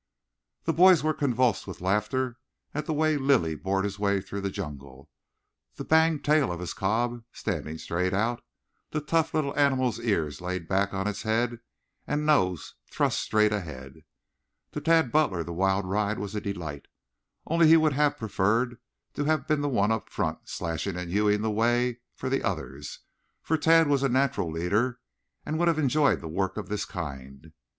The boys were convulsed with laughter at the way Lilly bored his way through the jungle, the banged tail of his cob standing straight out, the tough little animal's ears laid back on its head, and nose thrust straight ahead. To Tad Butler the wild ride was a delight, only he would have preferred to be the one up in front, slashing and hewing the way for the others, for Tad was a natural leader and would have enjoyed work of this kind.